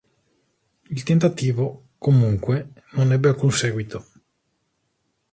Il tentativo, comunque, non ebbe alcun seguito.